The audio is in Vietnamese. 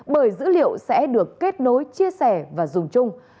bởi dữ liệu sẽ được kết nối chia sẻ và dùng chung